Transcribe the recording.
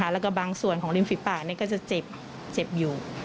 แล้วก็บางส่วนของริมฝีปากก็จะเจ็บอยู่